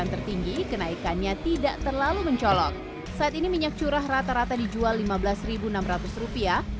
tertinggi kenaikannya tidak terlalu mencolok saat ini minyak curah rata rata dijual lima belas enam ratus rupiah